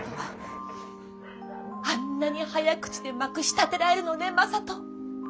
あんなに早口でまくしたてられるのね正門！